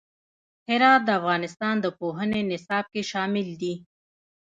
هرات د افغانستان د پوهنې نصاب کې شامل دي.